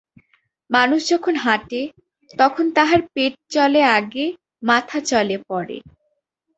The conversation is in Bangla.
মানুষ যখন হাঁটে, তখন তাহার পেট চলে আগে, মাথা চলে পরে।